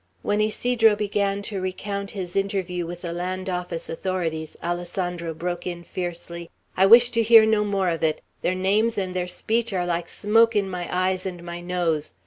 When Ysidro began to recount his interview with the land office authorities, Alessandro broke in fiercely: "I wish to hear no more of it. Their names and their speech are like smoke in my eyes and my nose.